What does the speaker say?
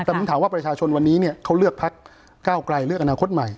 แต่ผมถามว่าประชาชนวันนี้เขาเลือกพักเก้าไกลเลือกอนาคตใหม่